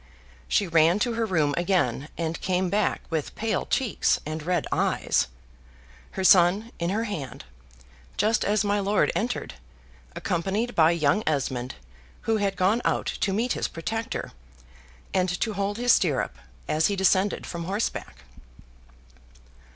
She ran to her room again, and came back with pale cheeks and red eyes her son in her hand just as my lord entered, accompanied by young Esmond, who had gone out to meet his protector, and to hold his stirrup as he descended from horseback.